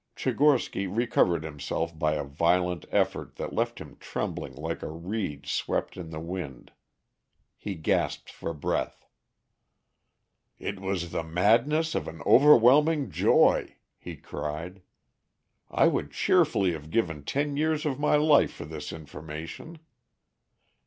Tchigorsky recovered himself by a violent effort that left him trembling like a reed swept in the wind. He gasped for breath. "It was the madness of an overwhelming joy!" he cried. "I would cheerfully have given ten years of my life for this information.